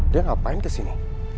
dia ngapain kesini